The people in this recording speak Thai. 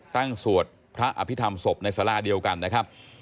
สวดพระอภิษฐรรมศพในสาราเดียวกันนะครับ